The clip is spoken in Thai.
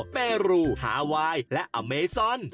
เปรูฮาไวน์และอเมซอน